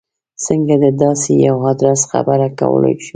څنګه د داسې یوه ادرس خبره کولای شو.